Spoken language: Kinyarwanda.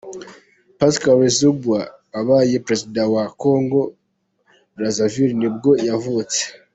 Pascal Lissouba, wabaye perezida wa Kongo Brazzaville ni bwo yavutse.